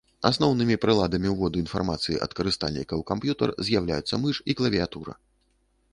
Асноўнымі прыладамі ўводу інфармацыі ад карыстальніка ў камп'ютар з'яўляюцца мыш і клавіятура.